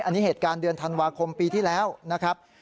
อันนี้เหตุการณ์เดือนธันวาคมปีที่แล้วนะครับ